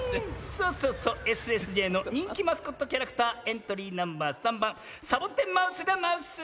そうそうそうＳＳＪのにんきマスコットキャラクターエントリーナンバー３ばんサボテンマウスだマウス。